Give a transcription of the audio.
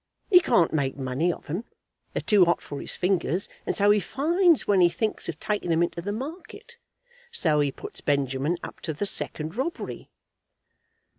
He can't make money of 'em. They're too hot for his fingers, and so he finds when he thinks of taking 'em into the market. So he puts Benjamin up to the second robbery."